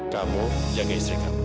kamu jaga istri kamu